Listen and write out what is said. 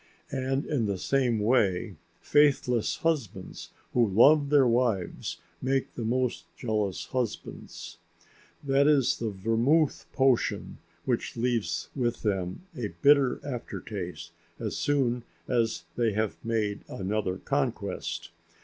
And in the same way faithless husbands who love their wives make the most jealous husbands. That is the vermuth potion which leaves with them a bitter after taste as soon as they have made another conquest.